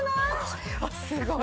これはすごい。